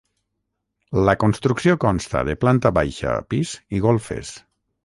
La construcció consta de planta baixa, pis i golfes.